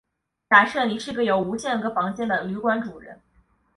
假设你是有无限个房间的旅馆主人。